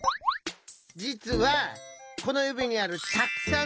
じつはこのゆびにあるたっくさん